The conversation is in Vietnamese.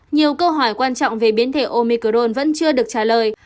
nhiều câu hỏi quan trọng về biến thể omicron vẫn chưa được trả lời